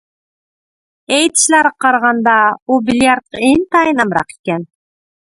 ئېيتىشلارغا قارىغاندا، ئۇ بىليارتقا ئىنتايىن ئامراق ئىكەن.